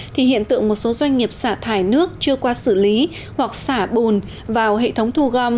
thì hiện tượng một số doanh nghiệp xả thải nước chưa qua xử lý hoặc xả bồn vào hệ thống thu gom